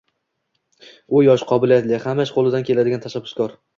u yosh, qobiliyatli, hamma ish qo‘lidan keladigan, tashabbuskor